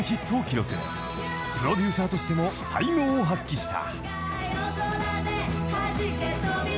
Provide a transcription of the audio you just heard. ［プロデューサーとしても才能を発揮した］